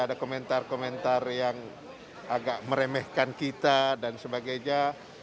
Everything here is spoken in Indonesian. ada komentar komentar yang agak meremehkan kita dan sebagainya